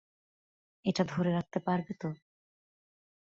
এটা ধরে রাখতে পারবে তো?